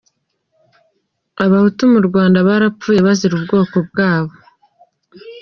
Abahutu mu Rwanda barapfuye bazira ubwoko bwabo.